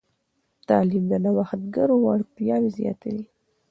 تعلیم د نوښتګرو وړتیاوې زیاتوي.